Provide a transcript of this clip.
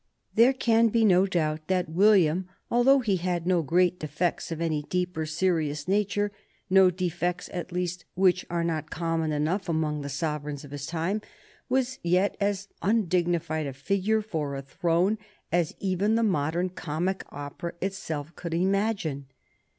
There can be no doubt that William, although he had no great defects of any deep or serious nature, no defects at least which are not common enough among the sovereigns of his time, was yet as undignified a figure for a throne as even the modern comic opera itself could imagine.